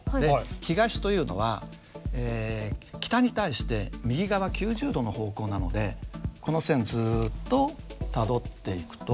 東というのは北に対して右側９０度の方向なのでこの線をずっとたどっていくと。